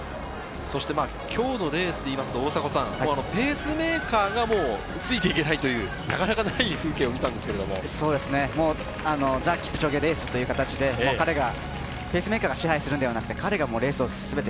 今日のレースでいうとペースメーカーがついていけないというなかなかない風景を見たんですけど、ザ・キプチョゲレースという形でペースメーカーが支配するのではなく、彼がレースを